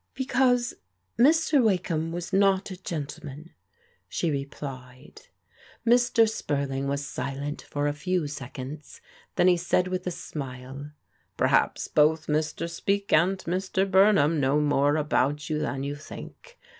" Because Mr. Wakeham was not a gentleman," she replied. Mr. Spurling was silent for a few seconds, then he said with a smile : "Perhaps both Mr. Speke and Mr. Bumham know more about you than you think.